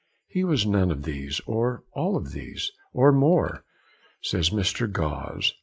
'He was none of these, or all of these, or more,' says Mr. Gosse.